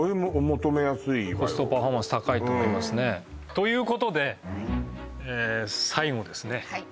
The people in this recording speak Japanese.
すごいコストパフォーマンス高いと思いますねということでえ最後ですねはい